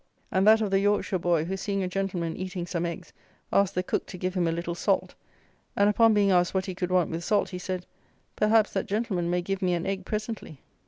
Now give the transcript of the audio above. And that of the Yorkshire boy who, seeing a gentleman eating some eggs, asked the cook to give him a little salt; and upon being asked what he could want with salt, he said, "Perhaps that gentleman may give me an egg presently."